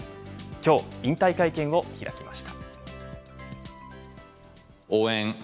今日、引退会見を開きました。